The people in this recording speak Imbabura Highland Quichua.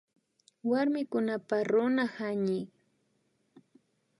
Warmikunapak Runa hañiy